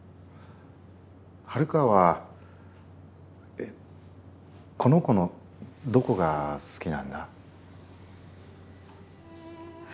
ハルカは「この子」のどこが好きなんだ？